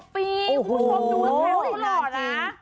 ๑๖ปีคุณผู้ชมดูแล้วรอนะ